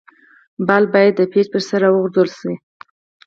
بال باید د پيچ پر سر راوغورځول سي.